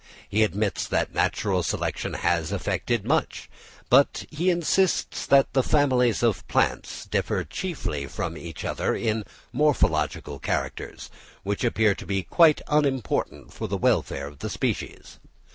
He admits that natural selection has effected much, but he insists that the families of plants differ chiefly from each other in morphological characters, which appear to be quite unimportant for the welfare of the species.